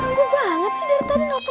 kegel banget sih dari tadi nelfon nelfon